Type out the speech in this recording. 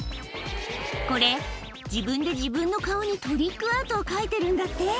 これ、自分で自分の顔にトリックアートを描いてるんだって。